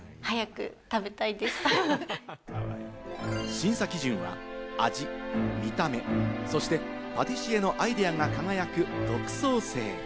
審査基準は味、見た目、そしてパティシエのアイデアが輝く独創性。